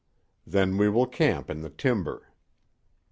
"Then we will camp in the timber."